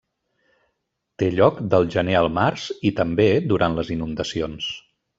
Té lloc del gener al març i, també, durant les inundacions.